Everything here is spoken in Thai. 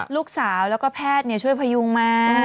ลูกสาวแล้วก็แพทย์ช่วยพยุงมา